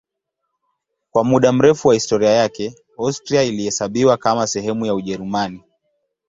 Kwa muda mrefu wa historia yake Austria ilihesabiwa kama sehemu ya Ujerumani.